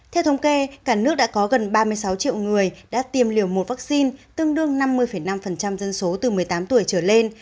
theo thống kê cả nước đã có gần ba mươi sáu triệu người đã tiêm liều một vaccine tương đương năm mươi năm dân số từ một mươi tám tuổi trở lên